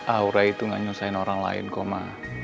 aura itu gak nyusahin orang lain kok ma